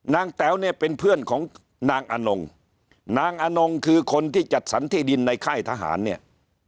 แต๋วเนี่ยเป็นเพื่อนของนางอนงนางอนงคือคนที่จัดสรรที่ดินในค่ายทหารเนี่ย